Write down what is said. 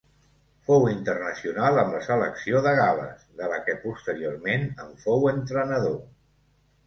Fou internacional amb la selecció de Gal·les, de la que posteriorment en fou entrenador.